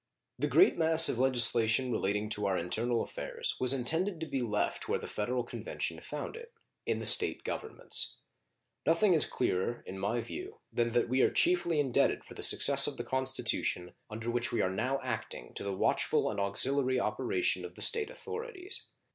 The great mass of legislation relating to our internal affairs was intended to be left where the Federal Convention found it in the State governments. Nothing is clearer, in my view, than that we are chiefly indebted for the success of the Constitution under which we are now acting to the watchful and auxiliary operation of the State authorities.